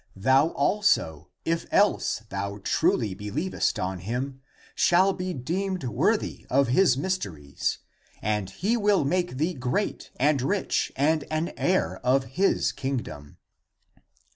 Thou also, if else thou truly believest on him shall be deemed worthy of his mys teries, and he will make thee great and rich and an heir of his Kingdom."